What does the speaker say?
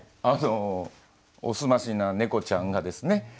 あのお澄ましな猫ちゃんがですね